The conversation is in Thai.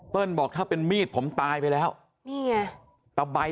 เปิ้ลบอกถ้าเป็นมีดผมตายไปแล้วนี่ไง